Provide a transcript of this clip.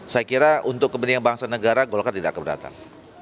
saya kira untuk kepentingan bangsa negara golkar tidak keberatan